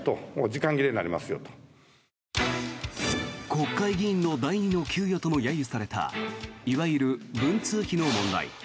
国会議員の第２の給与とも揶揄されたいわゆる文通費の問題。